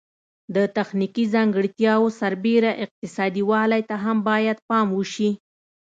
د تخنیکي ځانګړتیاوو سربیره اقتصادي والی ته هم باید پام وشي.